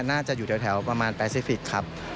น่าจะอยู่แถวประมาณแปซิฟิกส์ครับ